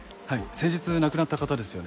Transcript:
先日亡くなった方ですよね。